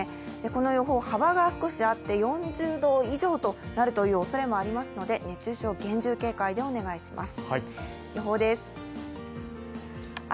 この予報、幅が少しあって、４０度以上となるおそれもありますので、熱中症、厳重警戒でお願いします。